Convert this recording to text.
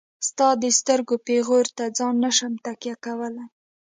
ستا د سترګو پيغور ته ځان نشم تکيه کولاي.